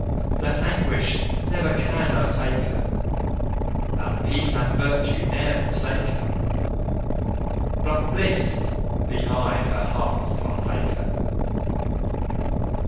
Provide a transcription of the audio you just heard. That anguish never can o'ertake her; That peace and virtue ne'er forsake her, But bliss be aye her heart's partaker!